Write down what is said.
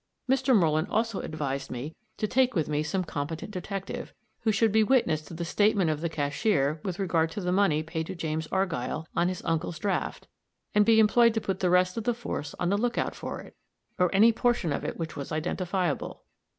Mr. Moreland also advised me to take with me some competent detective, who should be witness to the statement of the cashier with regard to the money paid to James Argyll, on his uncle's draft, and be employed to put the rest of the force on the lookout for it, or any portion of it which was identifiable.